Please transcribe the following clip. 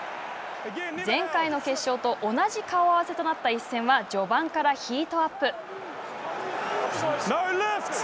前回の決勝と同じ顔合わせとなった一戦は、序盤からヒートアップ。